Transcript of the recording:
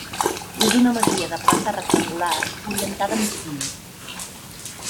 És una masia de planta rectangular, orientada a migdia.